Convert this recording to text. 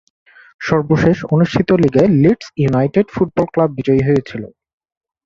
সর্বশেষ অনুষ্ঠিত লীগে লিডস ইউনাইটেড ফুটবল ক্লাব বিজয়ী হয়েছিল।